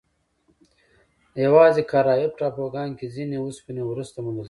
یواځې کارایب ټاپوګانو کې ځینې اوسپنې وروسته موندل شوې.